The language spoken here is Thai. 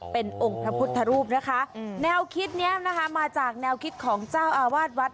เป็นองค์พระพุทธรูปนะคะแนวคิดนี้นะคะมาจากแนวคิดของเจ้าอาวาสวัด